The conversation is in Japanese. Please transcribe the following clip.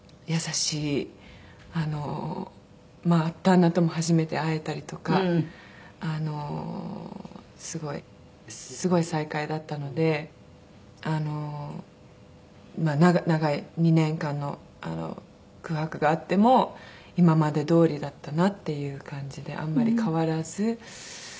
まあ旦那とも初めて会えたりとかすごいすごい再会だったのであの長い２年間の空白があっても今までどおりだったなっていう感じであんまり変わらず。